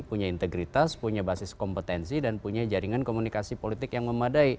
punya integritas punya basis kompetensi dan punya jaringan komunikasi politik yang memadai